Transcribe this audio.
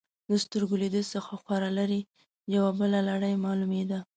د سترګو له دید څخه خورا لرې، یوه بله لړۍ معلومېده.